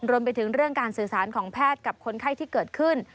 รวมไปถึงเรื่องการสื่อสารของแพทย์กับคนไข้ที่เกิดขึ้น